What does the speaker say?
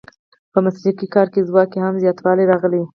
په مسلکي کاري ځواک کې هم زیاتوالی راغلی.